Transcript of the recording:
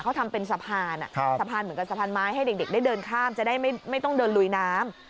เขาทำเป็นสะพานสะพานเหมือนกับสะพานไม้ให้เด็กได้เดินข้ามจะได้ไม่ต้องเดินลุยน้ำ